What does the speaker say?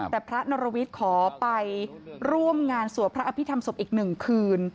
แต่พระนรวิทย์ขอไปร่วมงานสวดพระอภิษฐรรศพอีก๑คืน